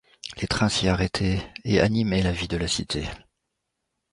Les trains s’y arrêtaient et animaient la vie de la cité.